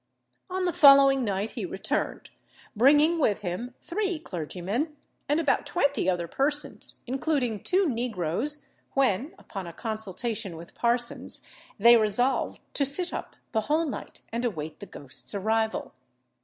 On the following night he returned, bringing with him three clergymen, and about twenty other persons, including two negroes, when, upon a consultation with Parsons, they resolved to sit up the whole night, and await the ghost's arrival.